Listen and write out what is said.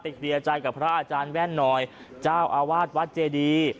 เคลียร์ใจกับพระอาจารย์แว่นหน่อยเจ้าอาวาสวัดเจดี